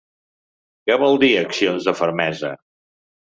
Què vol dir ‘accions de fermesa’?